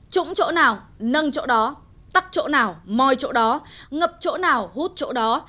trũng chỗ nào nâng chỗ đó tắt chỗ nào mòi chỗ đó ngập chỗ nào hút chỗ đó